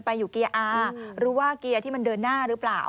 อยู่เกียร์อาหรือว่าเกียร์ที่มันเดินหน้าหรือเปล่า